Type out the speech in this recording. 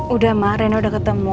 udah ma reina udah ketemu